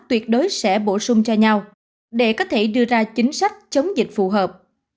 tuyệt đối sẽ bổ sung cho nhau để có thể đưa ra chính sách chống dịch phù hợp